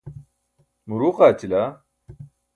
muruuq aaćila.